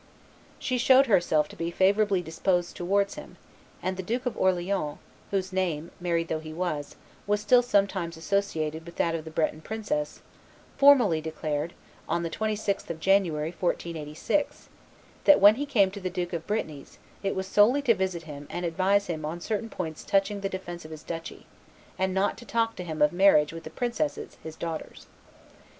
She showed herself to be favorably disposed towards him; and the Duke of Orleans, whose name, married though he was, was still sometimes associated with that of the Breton princess, formally declared, on the 26th of January, 1486, that, "when he came to the Duke of Brittany's, it was solely to visit him and advise him on certain points touching the defence of his duchy, and not to talk to him of marriage with the princesses his daughters."